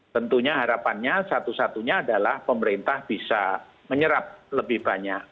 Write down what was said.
tentunya harapannya satu satunya adalah pemerintah bisa menyerap lebih banyak